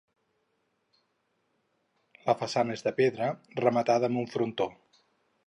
La façana és de pedra, rematada amb un frontó.